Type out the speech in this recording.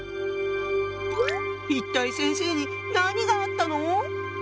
一体先生に何があったの？